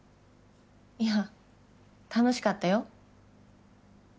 いや楽しかったよ。